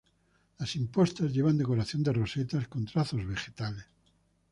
Las impostas llevan decoración de rosetas con trazos vegetales.